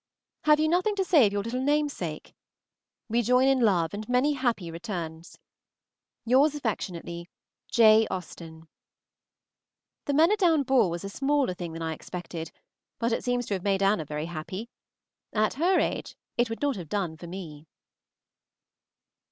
Have you nothing to say of your little namesake? We join in love and many happy returns. Yours affectionately, J. AUSTEN. The Manydown ball was a smaller thing than I expected, but it seems to have made Anna very happy. At her age it would not have done for me.